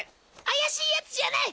あやしいやつじゃない！